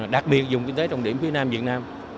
đặc biệt dùng kinh tế trọng điểm phía nam việt nam